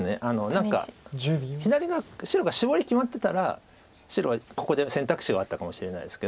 何か左が白がシボリ決まってたら白はここで選択肢はあったかもしれないですけど。